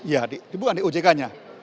ya dibuka di ojk nya